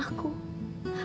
kamu tahu pak